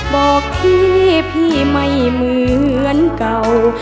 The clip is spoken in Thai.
บอกที่พี่ไม่เหมือนเก่า